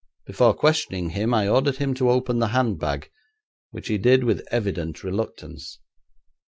Before questioning him I ordered him to open the handbag, which he did with evident reluctance.